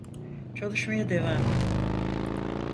Çalışmaya devam edin.